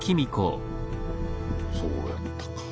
そうやったか。